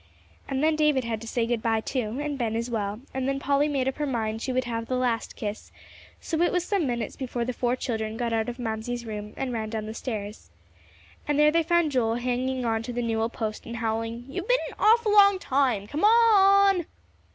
And then David had to say good by too, and Ben as well; and then Polly made up her mind she would have the last kiss, so it was some minutes before the four children got out of Mamsie's room and ran down the stairs. And there they found Joel hanging on to the newel post and howling: "You've been an awful long time. Come on!"